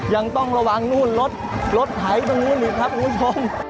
ยังต้องระวังนู่นรถรถไถตรงนู้นอีกครับคุณผู้ชม